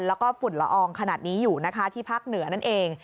แล้วก็ฝุ่นละอองขนาดนี้อยู่นะคะที่ภาคเหนือนั่นเอง